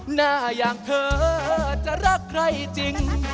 หน้าอย่างเธอจะรักใครจริง